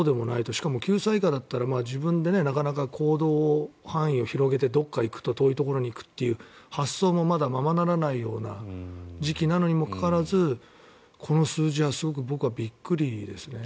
しかも９歳以下だったら自分でなかなか行動範囲を広げてどこか行くと遠いところに行くという発想もまだ、ままならないような時期なのにもかかわらずこの数字はすごく僕はびっくりですね。